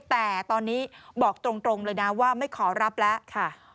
แต่ตอนนี้บอกตรงเลยนะว่าไม่ขอรับแล้วค่ะ